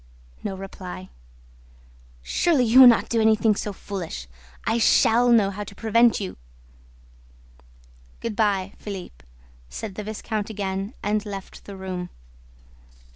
No reply. "Surely you will not do anything so foolish? I SHALL know how to prevent you!" "Good by, Philippe," said the viscount again and left the room.